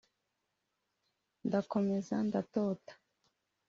ndakomeza ndatota